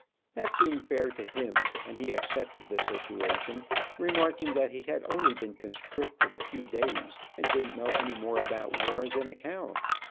That seemed fair to him, and he accepted the situation, remarking that he had only been conscripted a few days and didn't know any more about war than a cow.